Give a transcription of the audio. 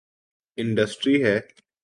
Industry ہے۔